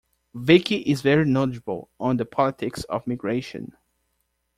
Vicky is very knowledgeable on the politics of migration.